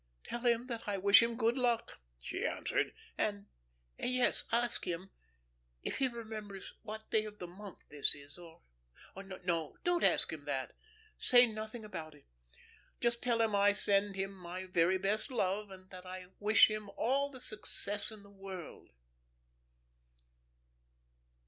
"Tell him that I wish him good luck," she answered, "and yes, ask him, if he remembers what day of the month this is or no, don't ask him that. Say nothing about it. Just tell him I send him my very best love, and that I wish him all the success in the world."